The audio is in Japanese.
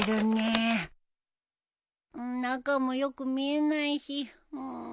中もよく見えないしん。